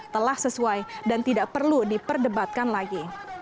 telah sesuai dan tidak perlu diperdebatkan lagi